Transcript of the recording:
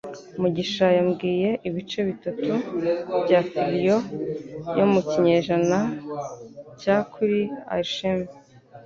Mugisha yambwiye ibice bitatu bya folio yo mu kinyejana cya kuri alchemy